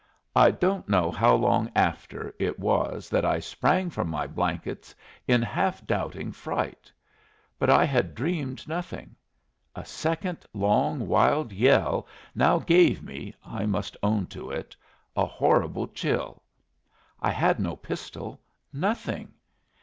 I don't know how long after it was that I sprang from my blankets in half doubting fright. But I had dreamed nothing. A second long, wild yell now gave me (I must own to it) a horrible chill. I had no pistol nothing.